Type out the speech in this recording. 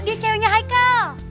dia ceweknya haikal